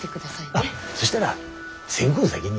あっそしたら線香先に。